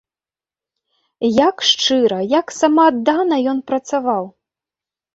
А як шчыра, як самааддана ён працаваў!